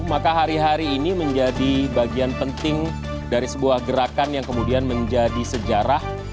maka hari hari ini menjadi bagian penting dari sebuah gerakan yang kemudian menjadi sejarah